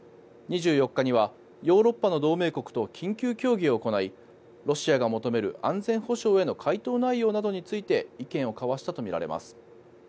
２４日にはヨーロッパの同盟国と緊急協議を行いロシアが求める安全保障への回答内容などについて意見を交わしたとみられます。